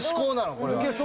これは。